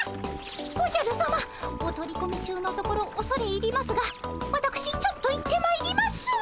おじゃるさまお取り込み中のところおそれ入りますがわたくしちょっと行ってまいります。